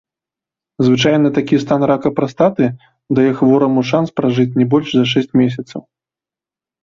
Звычайна такі стан рака прастаты дае хвораму шанс пражыць не больш за шэсць месяцаў.